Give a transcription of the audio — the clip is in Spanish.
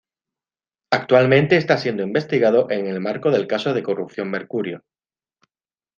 Actualmente, está siendo investigado en el marco del caso de corrupción Mercurio.